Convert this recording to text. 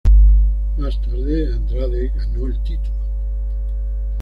Más tarde, Andrade gano el título.